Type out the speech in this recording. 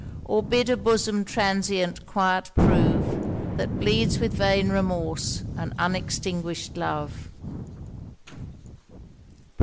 Or bid a bosom transient quiet prove, That bleeds with vain remorse, and unextinguish'd love!